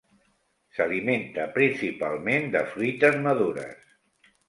S'alimenta principalment de fruites madures.